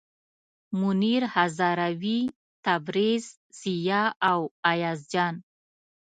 منیر هزاروي، تبریز، ضیا او ایاز جان.